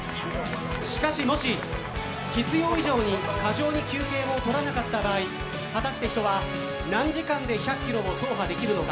しかし、もし必要以上に過剰に休憩を取らなかった場合果たして人は何時間で１００キロを走破できるのか。